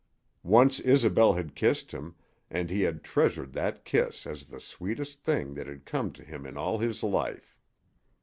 Once Isobel had kissed him, and he had treasured that kiss as the sweetest thing that had come to him in all his life.